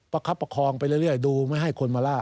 คับประคองไปเรื่อยดูไม่ให้คนมาล่า